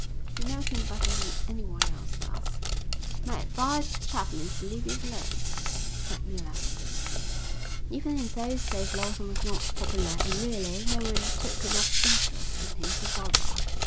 "You know him better than anyone else does." "My advice to Chaplin is to leave it alone," said Miller. Even in those days Lawson was not popular and really no one took enough interest in him to bother.